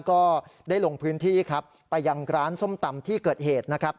ก็ได้ลงพื้นที่ครับไปยังร้านส้มตำที่เกิดเหตุนะครับ